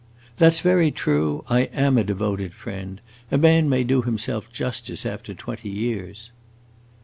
"That 's very true. I am a devoted friend. A man may do himself justice, after twenty years!"